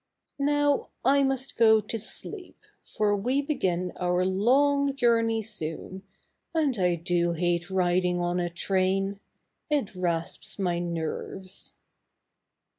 Now I must go to sleep, for we begin our long journey soon, and I do hate riding on a train. It rasps my nerves."